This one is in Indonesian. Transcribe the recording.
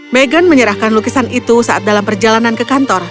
meghan menyerahkan lukisan itu saat dalam perjalanan ke kantor